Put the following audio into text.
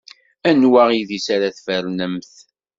Anwa idis ara tfernemt?